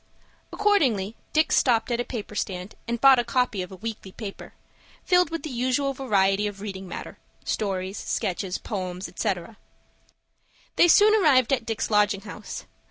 Accordingly Dick stopped at a paper stand, and bought a copy of a weekly paper, filled with the usual variety of reading matter,—stories, sketches, poems, etc. They soon arrived at Dick's lodging house.